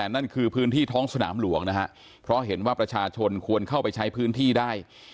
นั่นคือพื้นที่ท้องสนามหลวงนะฮะเพราะเห็นว่าประชาชนควรเข้าไปใช้พื้นที่ได้